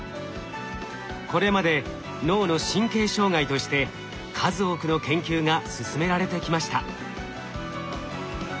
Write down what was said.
これまで脳の神経障害として数多くの研究が進められてきました。